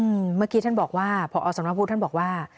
เมื่อกี้ท่านบอกว่าพอสำนักพุทธท่านบอกว่า